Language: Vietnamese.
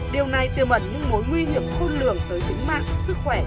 điều này tiêu mẩn những mối nguy hiểm khôn lường tới tính mạng sức khỏe